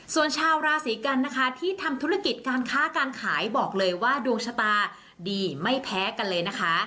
ส่วนชาวราศีกันนะคะที่ทำธุรกิจการค้าการขายบอกเลยว่าดวงชะตาดีไม่แพ้กันเลยนะคะ